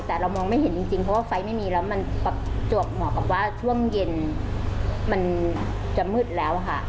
แต่เรามองไม่เห็นจริงเพราะว่าไฟไม่มีแล้วมันประจวบเหมาะกับว่าช่วงเย็นมันจะมืดแล้วค่ะ